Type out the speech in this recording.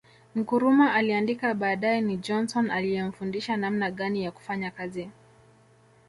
Nkrumah aliandika baadae ni Johnson aliyemfundisha namna gani ya kufanya kazi